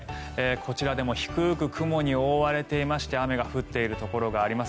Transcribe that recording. こちらでも低く雲に覆われていまして雨が降っているところがあります。